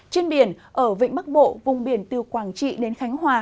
trên biển ở vịnh bắc bộ vùng biển từ quảng trị đến khánh hòa